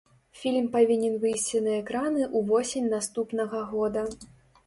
Фільм павінен выйсці на экраны ўвосень наступнага года.